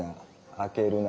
「開けるな」